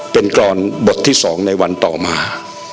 เป็นกรอนบทที่๒ในวันต่อมา